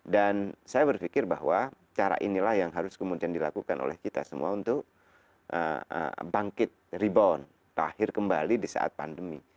dan saya berpikir bahwa cara inilah yang harus kemudian dilakukan oleh kita semua untuk bangkit rebound kelahir kembali di saat pandemi